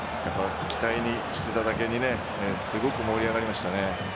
期待していただけにすごく盛り上がりましたね。